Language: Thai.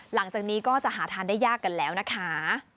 หลังจากนี้ก็จะหาทานได้ยากกันแล้วนะคะ